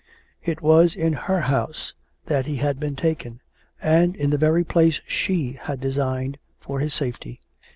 It was in her house that he had been taken, and in the very place she had designed for his safety.